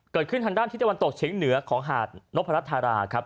เกิดขึ้นทางด้านที่เตะวันตกเฉียงเหนือของหาดนพรรษฐาราครับ